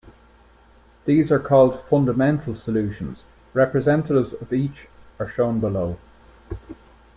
These are called "fundamental" solutions; representatives of each are shown below.